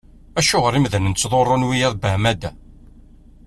Acuɣer imdanen ttḍurrun wiyaḍ beεmada?